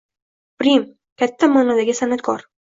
Brim — katta ma’nodagi san’atkor.